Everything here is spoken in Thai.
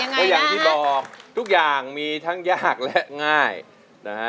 เอาล่ะครับไปอย่างที่บอกเรายังทุกอย่างมีทั้งยากและง่ายนะฮะ